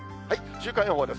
週間予報です。